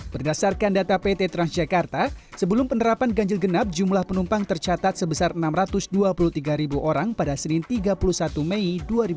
berdasarkan data pt transjakarta sebelum penerapan ganjil genap jumlah penumpang tercatat sebesar enam ratus dua puluh tiga ribu orang pada senin tiga puluh satu mei dua ribu dua puluh